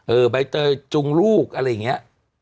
ใบเตยจุงลูกอะไรอย่างนี้